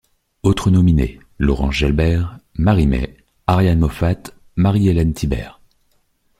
Autres nominés: Laurence Jalbert, Marie-Mai, Ariane Moffatt, Marie-Élaine Thibert.